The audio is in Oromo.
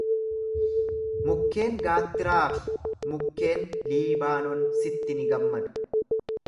Mukkeen gaattiraa fi mukkeen Liibaanon sitti ni gammadu.